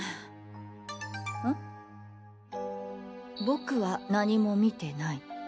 「ボクは何も見てない」。